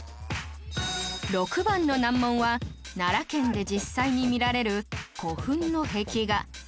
６番の難問は奈良県で実際に見られる古墳の壁画